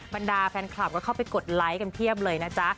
บรรดาแฟนคลับก็เข้าไปกดไลค์กันเพียบเลยนะจ๊ะ